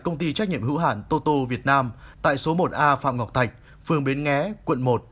công ty trách nhiệm hữu hạn toto việt nam tại số một a phạm ngọc thạch phường bến nghé quận một